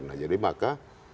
nah jadi maka